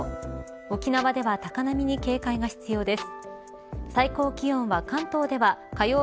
沖縄では高波に警戒が必要です。